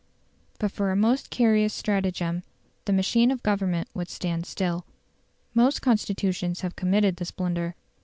But for a most curious stratagem, the machine of Government would stand still. Most Constitutions have committed this blunder.